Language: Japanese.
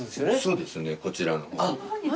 そうですねこちらの。